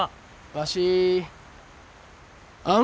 わしあん